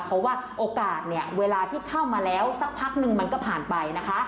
เพราะว่าโอกาสเนี่ยเวลาที่เข้ามาแล้วสักพักนึงมันก็ผ่านไปนะคะ